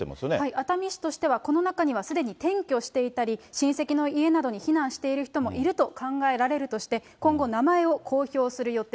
熱海市としては、この中にはすでに転居していたり、親戚の家などに避難している人もいると考えられるとして、今後、名前を公表する予定。